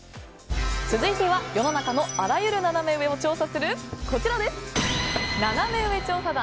続いては、世の中のあらゆるナナメ上を調査するナナメ上調査団。